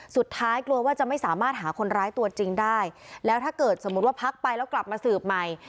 สุดท้ายกลัวว่าจะไม่สามารถหาคนร้ายตัวจริงได้แล้วถ้าเกิดสมมุติว่าพักไปแล้วกลับมาสืบใหม่